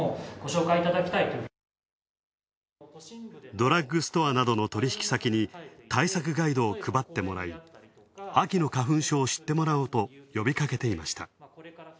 ドラッグストアなどの取引先に対策ガイドを配ってもらい、秋の花粉症を知ってもらおうと呼びかけていました。